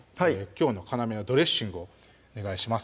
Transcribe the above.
きょうの要のドレッシングをお願いします